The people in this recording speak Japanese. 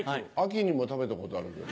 秋にも食べたことある。